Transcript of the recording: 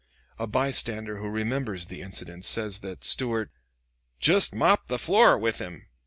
A bystander who remembers the incident says that Stuart "jest mopped the floor with him."